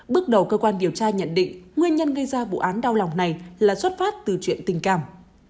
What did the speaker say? bước đầu cơ quan điều tra nhận định nguyên nhân gây ra vụ án đau lòng này là xuất phát từ chuyện tình cảm